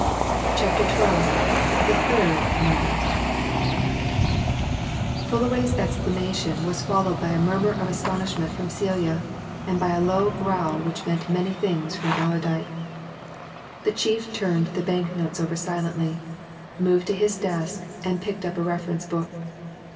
CHAPTER XII THE THIRD MURDER Fullaway's exclamation was followed by a murmur of astonishment from Celia, and by a low growl which meant many things from Allerdyke. The chief turned the banknotes over silently, moved to his desk, and picked up a reference book.